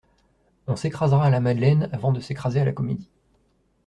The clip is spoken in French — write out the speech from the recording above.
On s'écrasera à la Madeleine, avant de s'écraser à la Comédie.